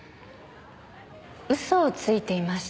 嘘をついていました。